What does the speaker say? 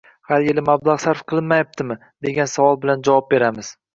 har yili mablag‘ sarf qilinmayaptimi?» – degan savol bilan javob beramiz.